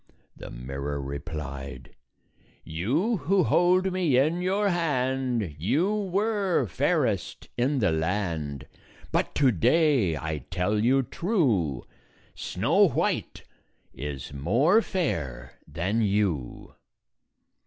The mirror replied, "You who hold me in your hand, You were fairest in the land; But to day, I tell you true, Snow White is more fair than you."